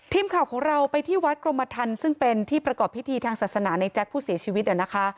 ทีมข่าวของเราไปที่วัดกรมทันซึ่งเป็นที่ประกอบพิธีทางศาสนาในแจ๊คผู้เสียชีวิตนะคะ